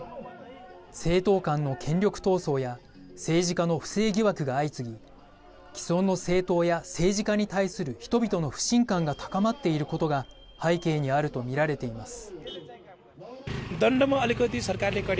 政党間の権力闘争や政治家の不正疑惑が相次ぎ既存の政党や政治家に対する人々の不信感が高まっていることが背景にあると見られています。